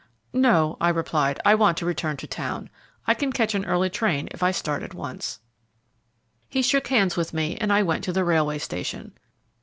"No," I replied, "I want to return to town. I can catch an early train if I start at once." He shook hands with me, and I went to the railway station.